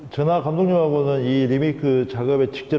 saya dan kandung saya tidak membuat remake ini